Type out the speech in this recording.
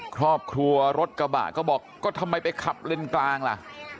ครอบครัวรถกระบะก็บอกก็ทำไมไปขับเลนกลางล่ะ